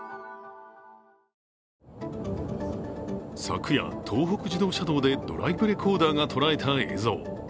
昨夜、東北自動車道でドライブレコーダーが捉えた映像。